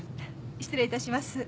失礼いたします。